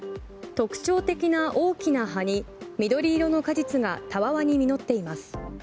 特徴的な大きな葉に緑色の果実がたわわに実っています。